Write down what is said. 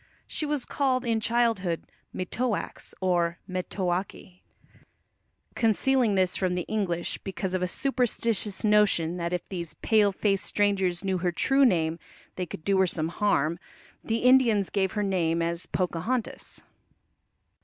She was called in childhood Metoax, or Metoake. Concealing this from the English, because of a superstitious notion that if these pale faced strangers knew her true name they could do her some harm, the Indians gave her name as Pocahontas.